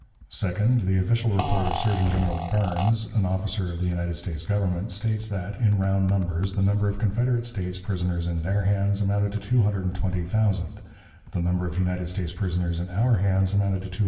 Second, the official report of Surgeon General Barnes, an officer of the United States Government, states that, in round numbers, the number of Confederate States prisoners in their hands amounted to 220,000, the number of United States prisoners in our hands amounted to 270,000.